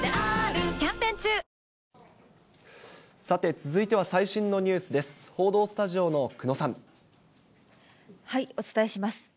さて、続いては最新のニュースです。